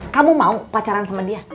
kamu mau pacaran sama dia